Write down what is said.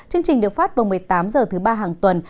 chương trình được phát vào một mươi tám h thứ ba hàng tuần